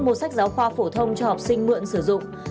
mua sách giáo khoa phổ thông cho học sinh mượn sử dụng